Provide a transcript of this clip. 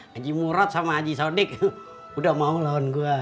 haji murad sama haji sodyk udah mau lawan gua